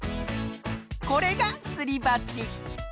これがすりばち。